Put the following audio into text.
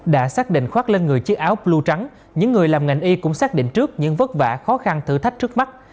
đã xác định khoát lên người chiếc áo blue trắng những người làm ngành y cũng xác định trước những vất vả khó khăn thử thách trước mắt